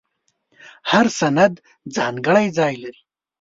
هر سند ځانګړی ځای لري.